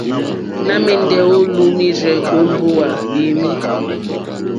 Nà ma ɛndɛ o lùumirzɛ̀ o mbowa yami.